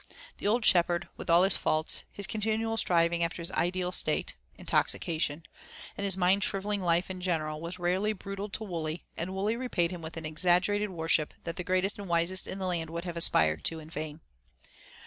The old shepherd, with all his faults, his continual striving after his ideal state intoxication and his mind shrivelling life in general was rarely brutal to Wully, and Wully repaid him with an exaggerated worship that the greatest and wisest in the land would have aspired to in vain.